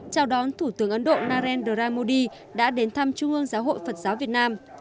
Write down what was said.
chào đón thủ tướng ấn độ naren dramodi đã đến thăm trung ương giáo hội phật giáo việt nam